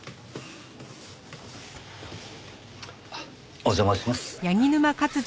お邪魔します。